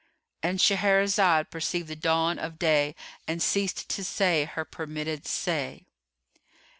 ——And Shahrazad perceived the dawn of day and ceased to say her permitted say.